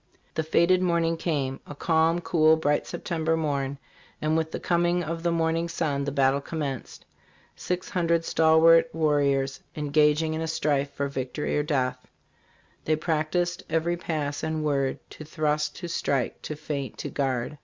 "The fated morning came a calm, cool, bright September morn, and with the coming of the morning sun the battle commenced. Six hundred stalwart warriors engaging in a strife for victory or death. '' They practiced every pass and word To thrust, to strike, to feint, to guard.